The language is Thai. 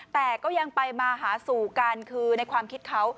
แต่ก็ยังไปมาหาสู่กันคือในความคิดเขา